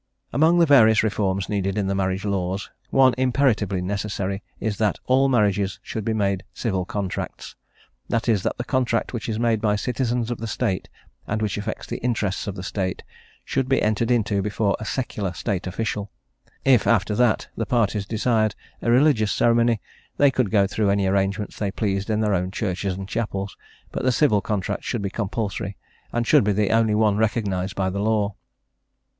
Among the various reforms needed in the Marriage Laws one imperatively necessary is that all marriages should be made civil contracts that is, that the contract which is made by citizens of the State, and which affects the interests of the State, should be entered into before a secular State official; if after that the parties desired a religious ceremony, they could go through any arrangements they pleased in their own churches and chapels, but the civil contract should be compulsory and should be the only one recognised by the law.